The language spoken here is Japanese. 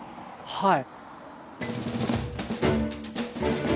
はい。